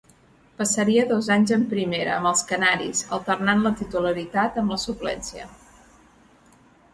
Passaria dos anys en Primera amb els canaris, alternant la titularitat amb la suplència.